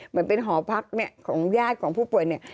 เหมือนหอพักของญาติของผู้ป่วยเนี่ย